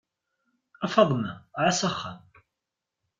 A Faḍma, εass axxam!